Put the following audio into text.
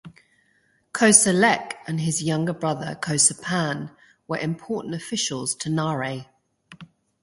Kosa Lek and his younger brother Kosa Pan were important officials to Narai.